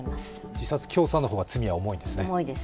自殺教唆の方が罪がおもいんですね。